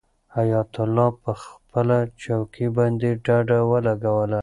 حیات الله په خپله چوکۍ باندې ډډه ولګوله.